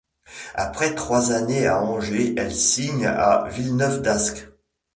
Après trois années à Angers, elle signe à Villeneuve-d'Ascq.